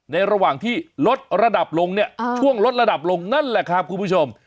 ระหว่างที่ลดระดับลงเนี่ยช่วงลดระดับลงนั่นแหละครับคุณผู้ชม